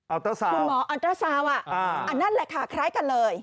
อัลเตอร์ซาวคุณหมออัลเตอร์ซาวอ่ะอันนั้นแหละค่ะคล้ายกันเลย